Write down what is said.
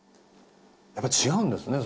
やっぱ違うんですね